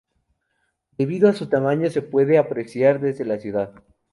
Debido a su tamaño, se puede apreciar desde la ciudad.